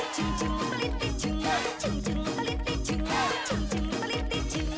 ชึงชึงปริตติชึงชึงชึงปริตติชึงชึงชึงปริตติชึง